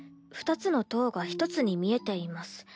２つの塔が１つに見えています」。